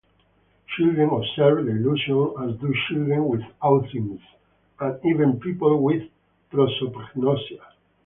Children observe the illusion, as do children with autism and even people with prosopagnosia.